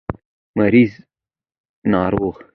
مريض √ ناروغ